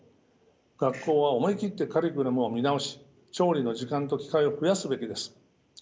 学校は思い切ってカリキュラムを見直し調理の時間と機会を増やすべきです。